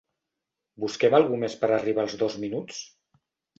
Busquem algú més per arribar als dos minuts?